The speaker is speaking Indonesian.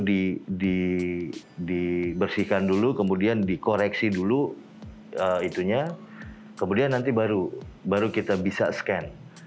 dibersihkan dulu kemudian dikoreksi dulu itunya kemudian nanti baru kita bisa scan